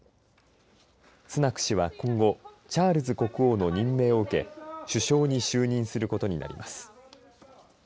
スナク氏は今後、チャールズ国王の任命を受け、首相に就任することになります。